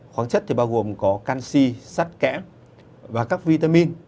khoáng chất thì bao gồm có canxi sắt kẽm và các vitamin